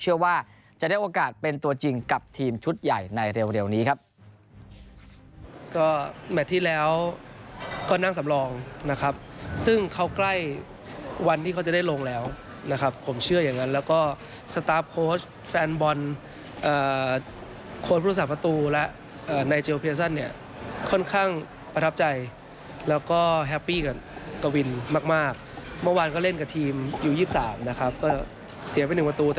เชื่อว่าจะได้โอกาสเป็นตัวจริงกับทีมชุดใหญ่ในเร็วนี้ครับ